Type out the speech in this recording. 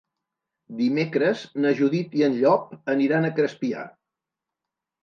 Dimecres na Judit i en Llop aniran a Crespià.